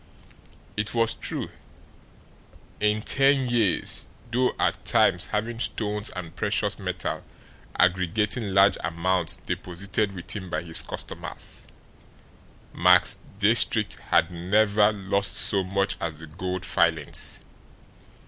It was true. In ten years, though at times having stones and precious metal aggregating large amounts deposited with him by his customers, Max Diestricht had never lost so much as the gold filings.